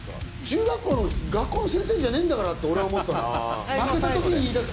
中学校の学校の先生じゃねえんだからって俺は思ってたの。